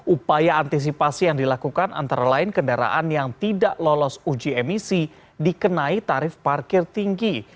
upaya antisipasi yang dilakukan antara lain kendaraan yang tidak lolos uji emisi dikenai tarif parkir tinggi